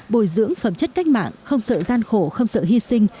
bồi dưỡng phẩm chất cách mạng không sợ gian khổ không sợ hy sinh